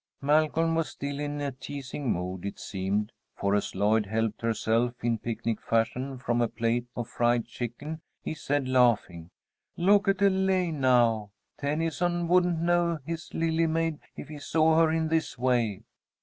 Malcolm was still in a teasing mood, it seemed, for as Lloyd helped herself in picnic fashion from a plate of fried chicken, he said, laughing, "Look at Elaine now. Tennyson wouldn't know his Lily Maid if he saw her in this way."